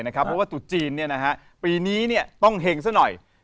เพราะว่าตุ๊จีนปีนี้ต้องเห็งซะหน่อย